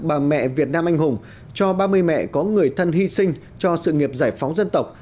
bà mẹ việt nam anh hùng cho ba mươi mẹ có người thân hy sinh cho sự nghiệp giải phóng dân tộc